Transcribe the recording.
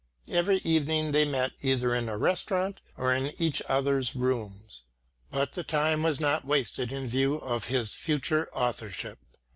Every evening they met either in a restaurant, or in each other's rooms. But the time was not wasted in view of his future authorship.